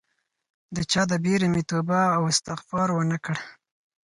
د چا د بیرې مې توبه او استغفار ونه کړ